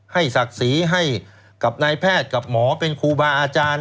ศักดิ์ศรีให้กับนายแพทย์กับหมอเป็นครูบาอาจารย์